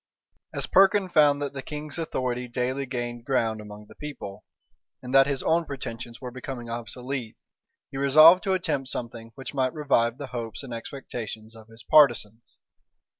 As Perkin found that the king's authority daily gained ground among the people, and that his own pretensions were becoming obsolete, he resolved to attempt something which might revive the hopes and expectations of his partisans.